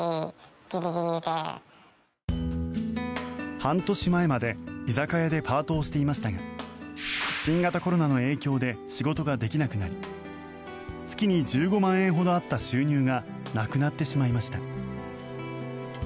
半年前まで居酒屋でパートをしていましたが新型コロナの影響で仕事ができなくなり月に１５万円ほどあった収入がなくなってしまいました。